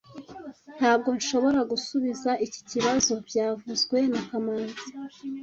Ntabwo nshobora gusubiza iki kibazo byavuzwe na kamanzi